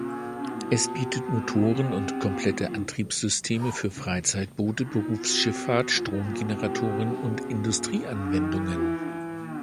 Es bietet Motoren und komplette Antriebssysteme für Freizeitboote, Berufsschifffahrt, Stromgeneratoren und Industrieanwendungen.